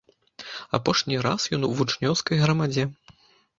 Апошні раз ён у вучнёўскай грамадзе.